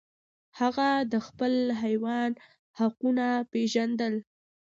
هغه د خپل حیوان حقونه پیژندل.